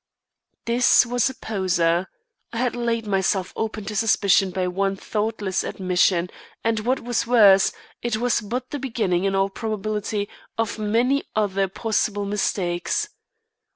This was a poser. I had laid myself open to suspicion by one thoughtless admission, and what was worse, it was but the beginning in all probability of many other possible mistakes.